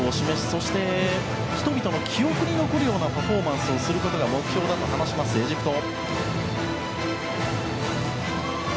そして人々の記憶に残るようなパフォーマンスをすることが目標だと話すエジプト。